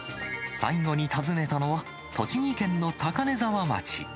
最後に訪ねたのは、栃木県の高根沢町。